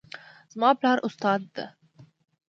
زما پلار استاد ده